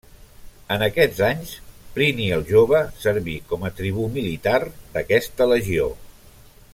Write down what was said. En aquests anys Plini el Jove serví com a tribú militar d'aquesta legió.